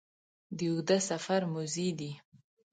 د اوږده سفر موزې دي